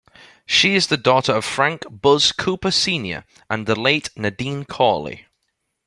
She is the daughter of Frank "Buzz" Cooper Senior and the late Nadine Corley.